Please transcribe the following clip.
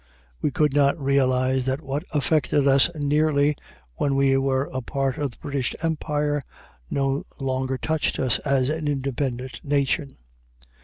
We could not realize that what affected us nearly when we were a part of the British Empire no longer touched us as an independent nation.